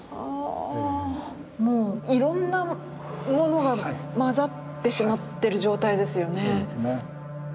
ああもういろんなものがまざってしまってる状態ですよね。